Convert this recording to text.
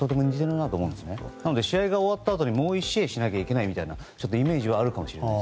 なので試合が終わったあともう１試合しないといけないようなイメージはあるかもしれません。